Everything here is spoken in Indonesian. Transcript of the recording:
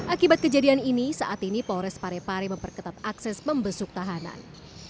akibat kejadian ini saat ini polres parepare memperketat akses membesuk tahanan